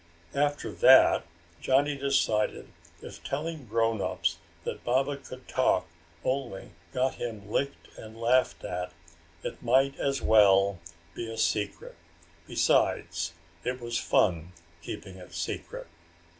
After that, Johnny decided if telling grownups that Baba could talk only got him licked and laughed at, it might as well be a secret. Besides, it was fun keeping it secret.